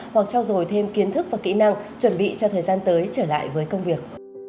hoặc trao dồi thêm kiến thức và kỹ năng chuẩn bị cho thời gian tới trở lại với công việc